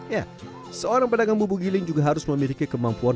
ya seorang pedagang bubuk giling juga harus memiliki kemampuan